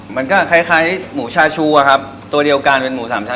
มันก็คล้ายคล้ายหมูชาชูอะครับตัวเดียวกันเป็นหมูสามชา